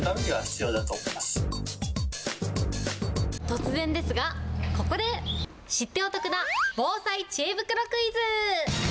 突然ですが、ここで、知ってお得な防災知恵袋クイズ。